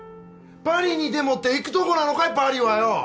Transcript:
パリにでもって行くとこなのかいパリはよ！